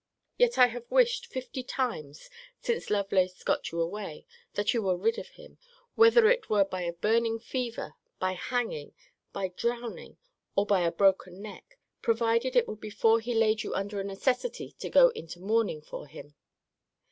Yet I have wished fifty times, since Lovelace got you away, that you were rid of him, whether it were by a burning fever, by hanging, by drowning, or by a broken neck; provided it were before he laid you under a necessity to go into mourning for him.